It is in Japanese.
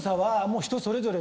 人それぞれ。